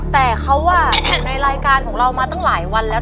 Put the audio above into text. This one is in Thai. แต่เขาอยู่ในรายการของเรามาตั้งหลายวันแล้ว